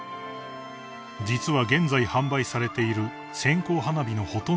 ［実は現在販売されている線香花火のほとんどが輸入品］